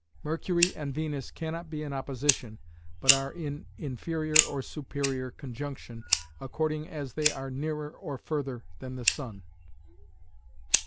Mercury and Venus cannot be in opposition, but are in inferior or superior conjunction according as they are nearer or further than the sun.